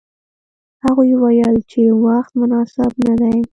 هغوی ویل چې وخت مناسب نه دی.